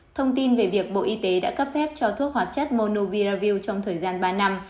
thông tin về việc bộ y tế đã cấp phép cho thuốc hoạt chất monoviravild trong thời gian ba năm